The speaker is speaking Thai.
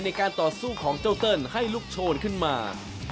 ในการต่อสู้ของเจ้าเติ้ลให้ลูกโชนขึ้นมา